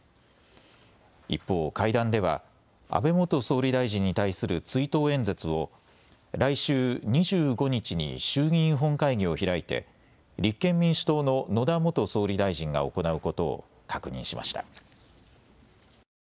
一方、会談では安倍元総理大臣に対する追悼演説を来週２５日に衆議院本会議を開いて立憲民主党の野田元総理大臣が行うことを確認しました。